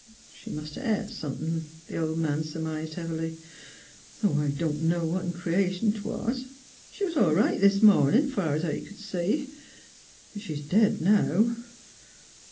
^' She must 'a' et somethin','' the old man sur mised, heavily, " though I don't know what in creation 'twas. She was all right this mornin', fur's I c'd see; but she's dead now."